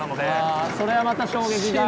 あそれはまた衝撃が。